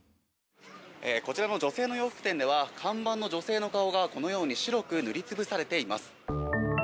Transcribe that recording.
こちらの女性の洋服店では、看板の女性の顔が、このように白く塗りつぶされています。